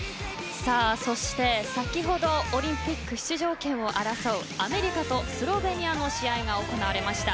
そして、先ほどオリンピック出場権を争うアメリカとスロベニアの試合が行われました。